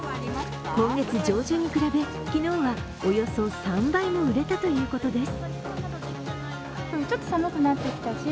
今月上旬に比べ、昨日はおよそ３倍も売れたということです。